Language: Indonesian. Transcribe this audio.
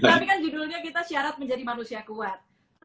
tapi kan judulnya kita syarat menjadi manusia kuat